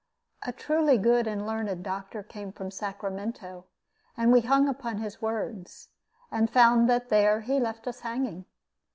A truly good and learned doctor came from Sacramento, and we hung upon his words, and found that there he left us hanging.